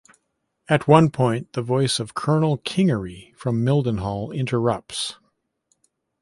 At one point the voice of Colonel Kingery from Mildenhall interrupts.